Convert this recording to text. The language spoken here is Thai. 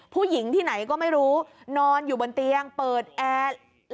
ผู้หญิงที่ไหนก็ไม่รู้นอนอยู่บนเตียงเปิดแอร์